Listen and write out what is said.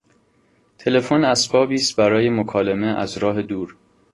تلفن اسبابی است برای مکالمه از راه دور.